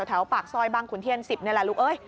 แถวปากซอยบางขุนเทียน๑๐นี่แหละลูกเอ้ย